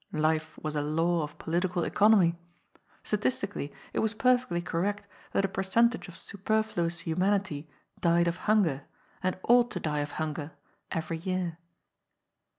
Life was a law of political economy. Statisti cally it was perfectly correct that a percentage of super fluous humanity died of hunger, and ought to die of hun ger, every year.